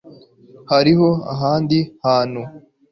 Hariho ahandi hantu